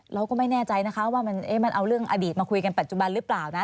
เราก็ไม่แน่ใจนะคะว่ามันเอาเรื่องอดีตมาคุยกันปัจจุบันหรือเปล่านะ